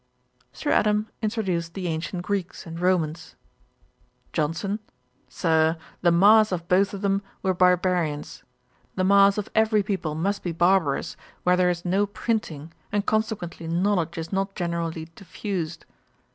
Sir Adam introduced the ancient Greeks and Romans. JOHNSON. 'Sir, the mass of both of them were barbarians. The mass of every people must be barbarous where there is no printing, and consequently knowledge is not generally diffused.